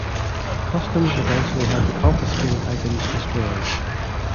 Customs eventually had the confiscated items destroyed.